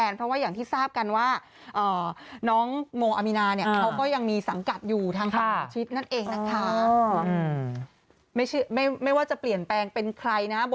โมอามีนาน้องเราก็ได้นะครับ